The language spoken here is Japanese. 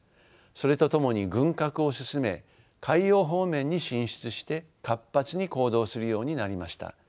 それとともに軍拡を進め海洋方面に進出して活発に行動するようになりました。